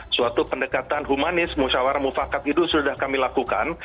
suatu pendekatan humanis musyawarah mufakat itu sudah kami lakukan